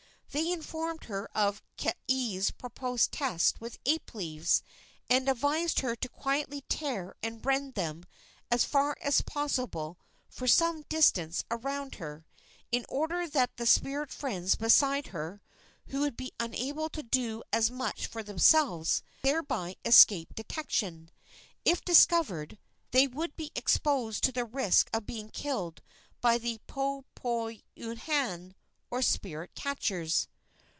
They informed her of Kaea's proposed test with ape leaves, and advised her to quietly tear and rend them as far as possible for some distance around her, in order that the spirit friends beside her, who would be unable to do as much for themselves, might thereby escape detection. If discovered, they would be exposed to the risk of being killed by the poe poi uhane, or spirit catchers.